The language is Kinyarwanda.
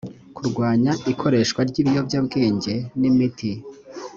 kurwanya ikoreshwa ry ibiyobyabwenge n imiti